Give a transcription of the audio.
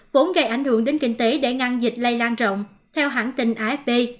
vốn gây ảnh hưởng đến kinh tế để ngăn dịch lây lan rộng theo hãng tình afp